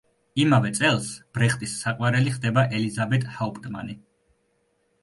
იმავე წელს ბრეხტის საყვარელი ხდება ელიზაბეტ ჰაუპტმანი.